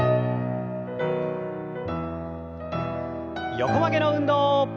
横曲げの運動。